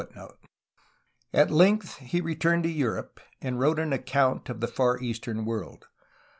^ At length he returned to Europe, and wrote an account of the far eastern world.